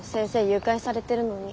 誘拐されてるのに。